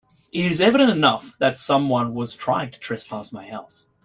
It is evident enough that someone was trying to trespass my house.